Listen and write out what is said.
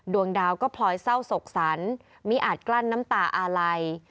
ดวงดาวก็พลอยเศร้าสกสรรมิอาจกลั้นน้ำตาอาลัย